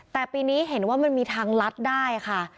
แต่ปีนี้เห็นว่ามันมีทางลัดได้ค่ะ